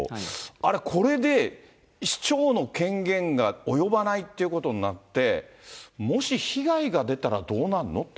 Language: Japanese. あれ、これで市長の権限が及ばないということになって、もし被害が出たら、どうなるの？って